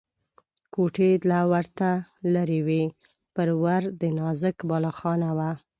کوټې له ورته لرې وې، پر ور د نازک بالاخانه وه.